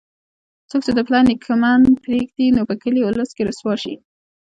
څوک چې د پلار نیکه منډ پرېږدي، نو په کلي اولس کې رسوا شي.